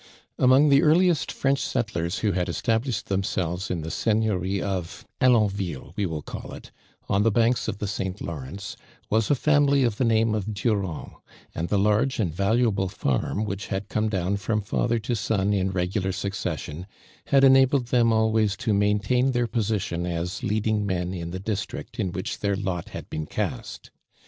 Among the earliest French settlers who hful established themselves in the seigneurie of— Alonville we will call it — on the banks of the St. Lawrence, was a family of the ntime of Durand ; and the large and valua ble farm which had come down from father to «on in regular succession, had enabled them always to maintain their position as leading men in the district in which their lot had been cast.